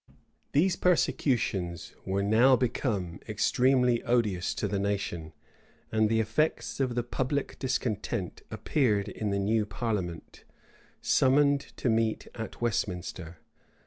These persecutions were now become extremely odious to the nation; and the effects of the public discontent appeared in the new parliament, summoned to meet at Westminster.